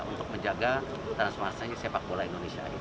untuk menjaga transformasi sepak bola indonesia